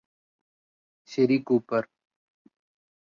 ശരി കൂപ്പര്